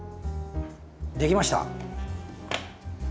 できました。